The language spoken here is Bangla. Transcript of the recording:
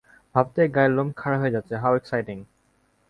ভাবতেই গায়ের লোম খাড়া হয়ে যাচ্ছে হাউ এক্সাইটিং।